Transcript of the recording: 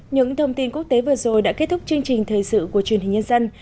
những thông tin quốc tế vừa rồi đã kết thúc chương trình thời sự của truyền hình nhân dân